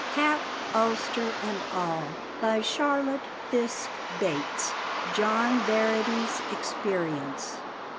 HAT, ULSTER AND ALL. BY CHARLOTTE FISKE BATES. _John Verity's Experience.